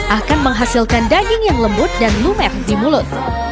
akan menghasilkan daging yang lembut dan lumer di mulut